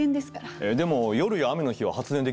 えっでも夜や雨の日は発電できないよ？